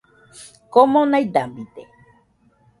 komo naidabide